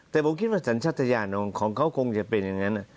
แต่ผมคิดว่าสัญชาติยานของเขาคงจะเป็นอย่างนั้น